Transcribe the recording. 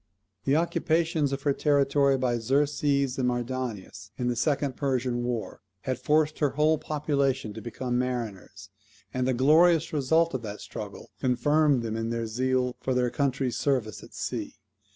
The occupations of her territory by Xerxes and Mardonius, in the second Persian war, had forced her whole population to become mariners; and the glorious results of that struggle confirmed them in their zeal for their country's service at sea.